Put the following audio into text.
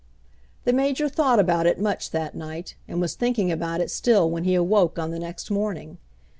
The Major thought about it much that night, and was thinking about it still when he awoke on the next morning.